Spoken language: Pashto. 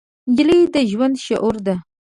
نجلۍ د ژوند شعر ده.